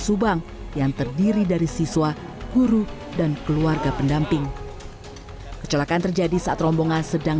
subang yang terdiri dari siswa guru dan keluarga pendamping kecelakaan terjadi saat rombongan sedang